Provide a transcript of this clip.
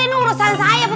ini urusan saya bu